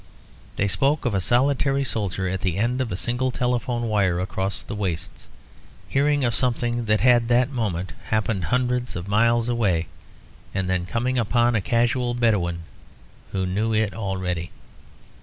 They spoke of a solitary soldier at the end of a single telephone wire across the wastes, hearing of something that had that moment happened hundreds of miles away, and then coming upon a casual Bedouin who knew it already.